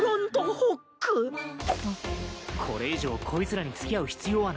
これ以上こいつらに付き合う必要はない。